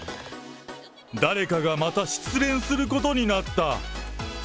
誰かがまた失恋することになった。